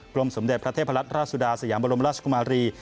รมสมเด็จพระเทพรัตนราชสุดาสยามบรมราชกุมารี